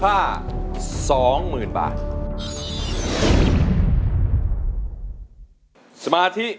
กลับมาเมื่อเวลาที่สุดท้าย